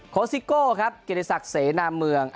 โค้ดซิโก้ครับเกดิศักดิ์เสนามเมือง